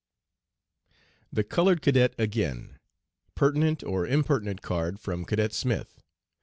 THE COLORED CADET AGAIN. PERTINENT OR IMPERTINENT CARD FROM CADET SMITH.